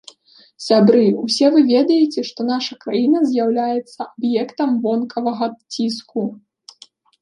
Сябры, усе вы ведаеце, што наша краіна з'яўляецца аб'ектам вонкавага ціску.